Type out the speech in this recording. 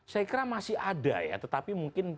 saya kira masih ada ya tetapi mungkin